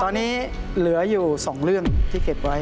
ตอนนี้เหลืออยู่๒เรื่องที่เก็บไว้